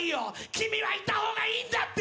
君はいた方がいいんだって。